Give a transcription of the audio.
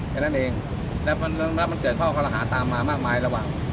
แค่นั้นเองแล้วมันเกิดข้อคอรหาตามมามากมายระหว่าง